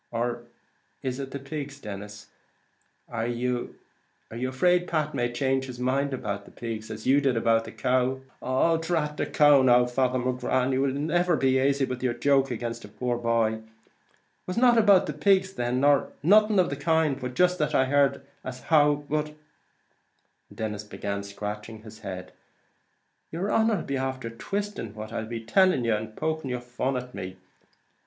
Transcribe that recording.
Or is it the pigs, Denis? Are you afraid Pat may change his mind about the pigs, as you did about the cow?" "Oh, drat the cow now, Father McGrath! and will ye never be aisy with yer joke agin a poor boy? It was not about the pigs then, nor nothing of the kind, but jist that I heard as how, but " and Denis began scratching his head "yer honer 'll be after twisting what I'll be tellin' yer, and poking your fun at me."